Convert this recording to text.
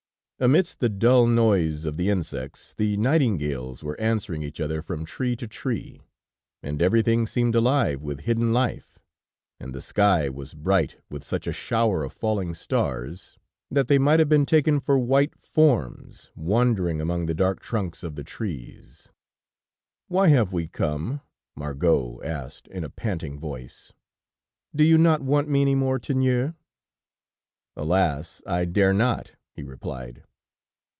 Amidst the dull noise of the insects, the nightingales were answering each other from tree to tree, and everything seemed alive with hidden life, and the sky was bright with such a shower of falling stars, that they might have been taken for white forms wandering among the dark trunks of the trees. "Why have we come?" Margot asked, in a panting voice. "Do you not want me any more, Tiennou?" "Alas! I dare not," he replied.